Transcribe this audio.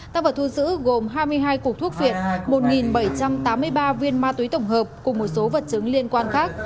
tăng vật thu giữ gồm hai mươi hai cục thuốc việt một bảy trăm tám mươi ba viên ma túy tổng hợp cùng một số vật chứng liên quan khác